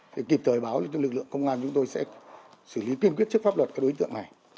thì kịp thời báo cho lực lượng công an chúng tôi sẽ xử lý kiên quyết trước pháp luật các đối tượng này